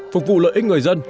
phục vụ lợi ích người dân